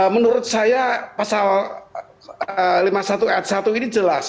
menurut saya pasal lima puluh satu ayat satu ini jelas